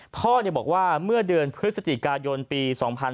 พ่อบอกว่าเมื่อเดือนพฤศจิกายนปี๒๕๕๙